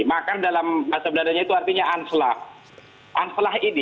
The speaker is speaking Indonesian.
makar dalam masa beradanya itu artinya anselah